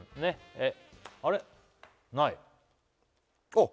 えっ！？